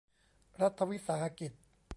รัฐวิสาหกิจ